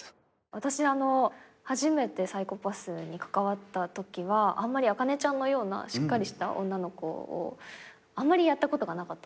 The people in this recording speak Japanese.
私初めて『ＰＳＹＣＨＯ−ＰＡＳＳ』に関わったときはあんまり朱ちゃんのようなしっかりした女の子をあんまりやったことがなかった。